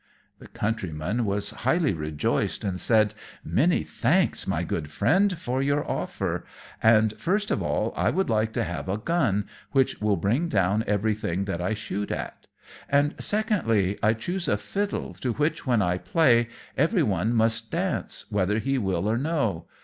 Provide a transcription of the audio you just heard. The Countryman was highly rejoiced, and said, "Many thanks, my good Friend, for your offer; and, first of all, I would like to have a gun which will bring down everything that I shoot at; and, secondly, I choose a fiddle, to which, when I play, every one must dance, whether he will or no.